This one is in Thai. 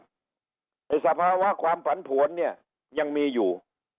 สภาวะความผันผวนเนี่ยยังมีอยู่